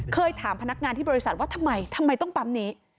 เคยถามพนักงานที่บริษัทว่าทำไมทำไมต้องปั๊มนี้